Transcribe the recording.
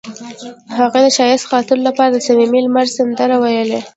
هغې د ښایسته خاطرو لپاره د صمیمي لمر سندره ویله.